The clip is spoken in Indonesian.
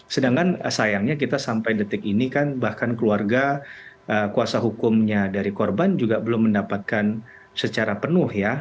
sedangkan sayangnya kita sampai detik ini kan bahkan keluarga kuasa hukumnya dari korban juga belum mendapatkan secara penuh ya